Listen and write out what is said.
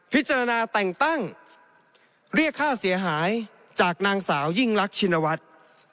พิจารณาแต่งตั้งเรียกค่าเสียหายจากนางสาวยิ่งรักชินวัฒน์